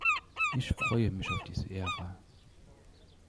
Ich freue mich auf diese Ära.